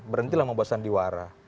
berhentilah membuat sandiwara